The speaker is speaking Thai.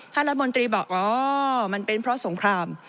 รัฐมนตรีบอกอ๋อมันเป็นเพราะสงคราม